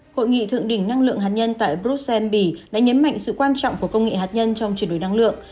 hội nghị thượng đỉnh năng lượng hạt nhân tại bruxelles bỉ đã nhấn mạnh sự quan trọng của công nghệ hạt nhân trong chuyển đổi năng lượng